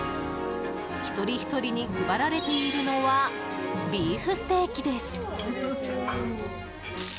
一人ひとりに配られているのはビーフステーキです。